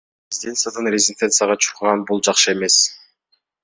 Резиденциядан резиденцияга чуркаган — бул жакшы эмес.